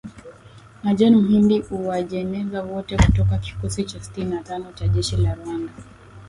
na John Muhindi Uwajeneza wote kutoka kikosi cha sitini na tano cha jeshi la Rwanda